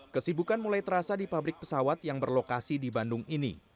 kesibukan mulai terasa di pabrik pesawat yang berlokasi di bandung ini